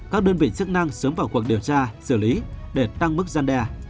các đơn vị chức năng sớm vào cuộc điều tra xử lý để tăng mức gian đe